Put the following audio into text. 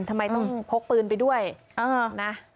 ทำไมต้องพกปืนไปด้วยนะ